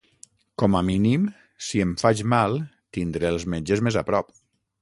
Com a mínim, si em faig mal tindré els metges més a prop.